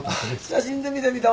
写真で見た見た。